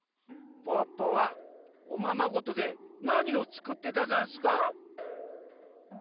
ポッポはおままごとでなにをつくってたざんすか？